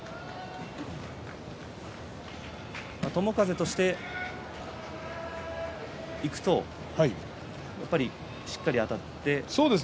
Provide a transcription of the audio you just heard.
友風としてはしっかりあたって。